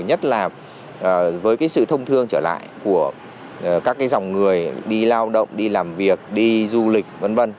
nhất là với cái sự thông thương trở lại của các dòng người đi lao động đi làm việc đi du lịch v v